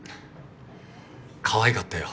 かわいかったよ